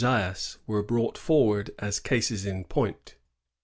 Joflias were brought forward as cases in point.